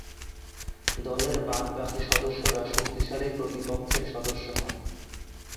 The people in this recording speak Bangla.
দলের বাদ-বাকী সদস্যরা শক্তিশালী প্রতিপক্ষের সদস্য হন।